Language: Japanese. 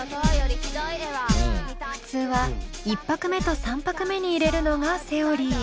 普通は１拍目と３拍目に入れるのがセオリー。